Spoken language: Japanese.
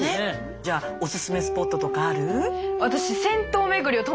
じゃあオススメスポットとかある？